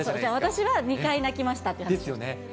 私は２回泣きましたという。ですよね。